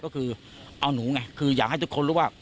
ก็คือเอาหนูไงคืออยากให้ทุกคนรู้ว่า